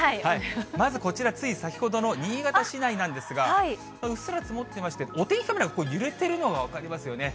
まずこちら、つい先ほどの新潟市内なんですが、うっすら積もっていまして、お天気カメラ、揺れているのが分かりますよね。